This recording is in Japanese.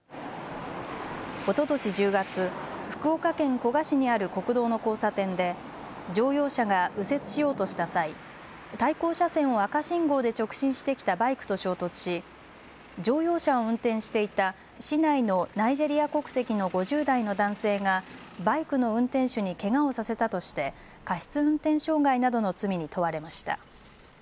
おととし１０月、福岡県古賀市にある国道の交差点で乗用車が右折しようとした際、対向車線を赤信号で直進してきたバイクと衝突し乗用車を運転していた市内のナイジェリア国籍の５０代の男性がバイクの運転手にけがをさせたとして過失運転傷害などの罪に問われました。